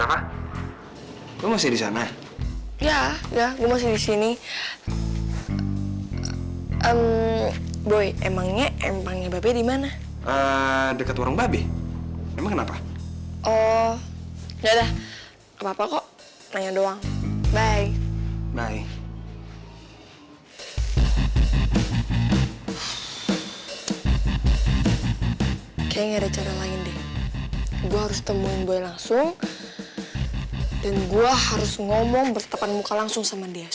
akhirnya sekarang neng bisa bareng lagi sama abah